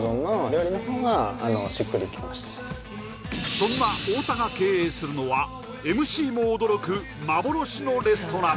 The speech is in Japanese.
そんな太田が経営するのはＭＣも驚く幻のレストラン